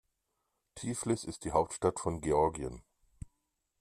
Tiflis ist die Hauptstadt von Georgien.